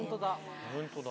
本当だ。